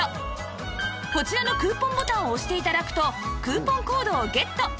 こちらのクーポンボタンを押して頂くとクーポンコードをゲット